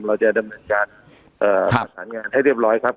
เราจะแต่มือการเอ่อค่ะประสาทงานให้เรียบร้อยครับ